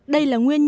đây là nguyên nhân